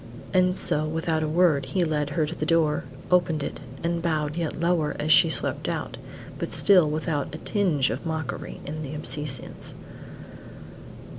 And so without a word he led her to the door, opened it, and bowed yet lower as she swept out, but still without a tinge of mockery in the obeisance.